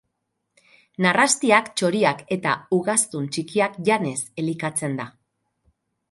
Narrastiak, txoriak eta ugaztun txikiak janez elikatzen da.